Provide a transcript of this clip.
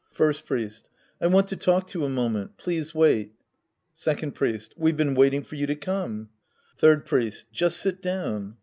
First Priest. I want to talk to you a moment. Please ti^ait. Second Priest. We've been waiting for you to come. Third Priest. Just sit down.